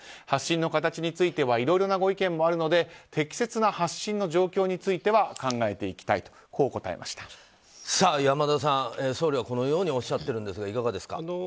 発信の形についてはいろいろなご意見もあるので適切な発信の状況については考えていきたい山田さん、総理はこのようにおっしゃっているんですがいかがですか。